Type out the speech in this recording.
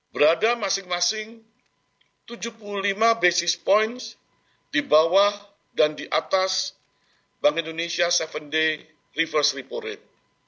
berada masing masing tujuh puluh lima basis point di bawah dan di atas bank indonesia tujuh day reverse repo rate